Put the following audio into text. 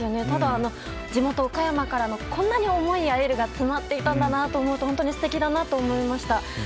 ただ、地元・岡山からのこんなに思いやエールが詰まっていたんだなと思うと本当に素敵だなと思いました。